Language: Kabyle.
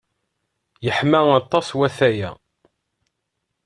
Yeḥma aṭas watay-a.